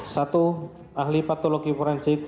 satu ahli patologi forensik